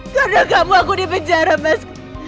karena kamu aku di penjara mas